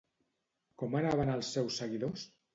Com anaven els seus seguidors?